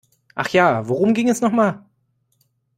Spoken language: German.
Ach ja, worum ging es noch mal?